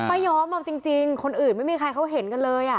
ไม่ยอมเอาจริงคนอื่นไม่มีใครเขาเห็นกันเลย